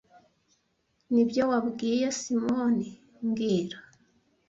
Nibyo wabwiye Simoni mbwira